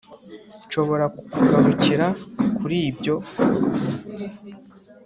nshobora kukugarukira kuri ibyo